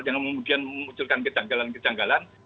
yang memudian memunculkan kejanggalan kejanggalan